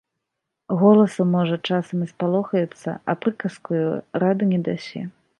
Галасу, можа, часам і спалохаецца, а прыказкаю рады не дасі.